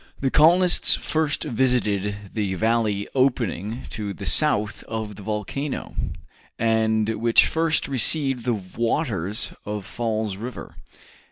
The colonists first visited the valley opening to the south of the volcano, and which first received the waters of Falls River.